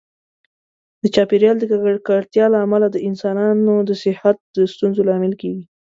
د چاپیریال د ککړتیا له امله د انسانانو د صحت د ستونزو لامل کېږي.